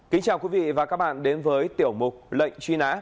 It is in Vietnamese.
kính chào quý vị và các bạn đến với tiểu mục